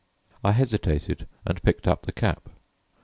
I hesitated and picked up the cap.